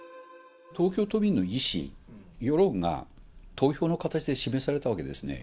東京都民の意思、世論が投票の形で示されたわけですね。